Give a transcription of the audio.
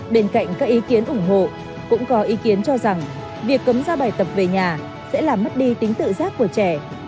bên cạnh các ý kiến ủng hộ cũng có ý kiến cho rằng việc cấm ra bài tập về nhà sẽ làm mất đi tính tự giác của trẻ